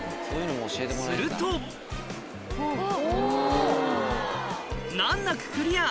すると難なくクリア